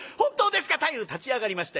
太夫立ち上がりました。